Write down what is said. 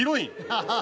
ハハハハ！